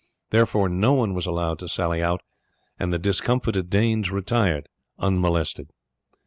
Therefore no one was allowed to sally out, and the discomfited Danes retired unmolested.